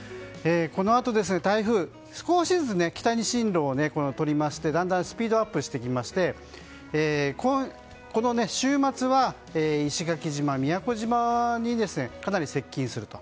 このあと台風、少しずつ北に進路をとりましてだんだんスピードアップしてきましてこの週末は石垣島、宮古島にかなり接近すると。